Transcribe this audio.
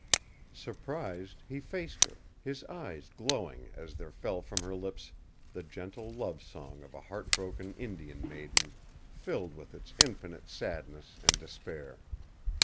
Surprised, he faced her, his eyes glowing as there fell from her lips the gentle love song of a heart broken Indian maiden, filled with its infinite sadness and despair.